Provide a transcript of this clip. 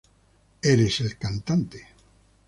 Eres el cantante.